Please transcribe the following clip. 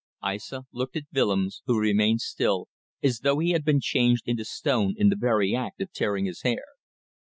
Aissa looked at Willems, who remained still, as though he had been changed into stone in the very act of tearing his hair.